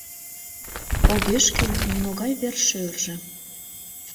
Огеш кӱл нимогай вер-шӧржӧ